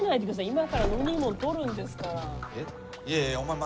今から飲み物取るんですから。